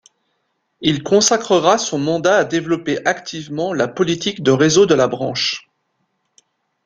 Il consacrera son mandat à développer activement la politique de réseau de la branche.